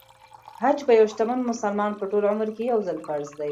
حج په یو شتمن مسلمان په ټول عمر کې يو ځل فرض دی .